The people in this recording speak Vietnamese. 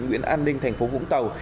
nguyễn an ninh thành phố vũng tàu